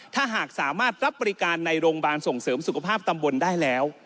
ถ้าหากสามารถรับบริการในโรงพยาบาลส่งเสริมสุขภาพตำบลได้แล้ว